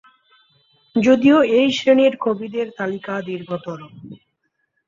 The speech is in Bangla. যদিও এই শ্রেণির কবিদের তালিকা দীর্ঘতর।